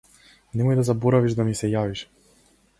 Немој да заборавиш да ми се јавиш.